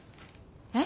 えっ！？